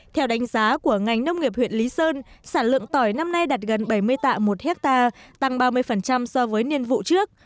theo đánh giá của ngành nông nghiệp huyện lý sơn sản lượng tỏi năm nay đạt gần bảy mươi tạ một hectare tăng ba mươi so với niên vụ trước